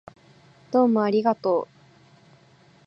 どうもありがとう